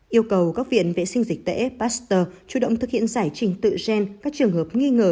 yêu cầu các viện vệ sinh dịch tễ pasteur chủ động thực hiện giải trình tự gen các trường hợp nghi ngờ